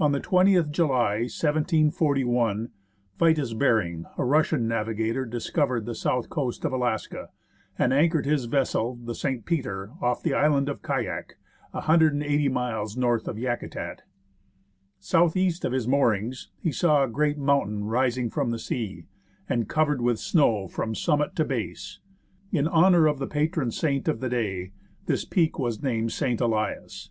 On the 20th July, 1741, Vitus Behring, a Russian navigator, discovered the south coast of Alaska, and anchored his vessel, the 5"/. Peter, off the island of Kayak, 180 miles north of Yakutat. South east of his moorings, he saw a great mountain rising from the sea, and covered with snow from summit to base. In honour of the patron saint of the day, this peak was named St. Elias.